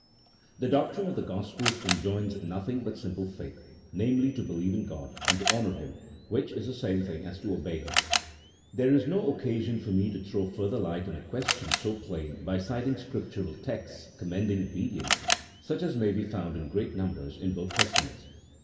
The doctrine of the Gospels enjoins nothing but simple faith, namely, to believe in God and to honour Him, which is the same thing as to obey Him. There is no occasion for me to throw further light on a question so plain by citing Scriptural texts commending obedience, such as may be found in great numbers in both Testaments.